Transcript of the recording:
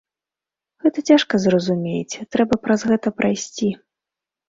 Гэта цяжка зразумець, трэба праз гэта прайсці.